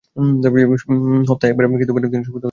হপ্তায় একবার কি দুবার সুবিধামত তিনি তাদের দেখে যাবেন।